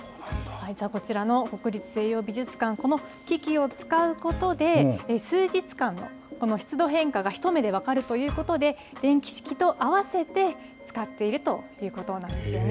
こちらの国立西洋美術館、この機器を使うことで、数日間のこの湿度変化が一目で分かるということで、電気式と併せて使っているということなんですよね。